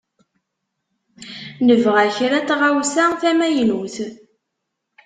Nebɣa kra n tɣawsa tamaynutt.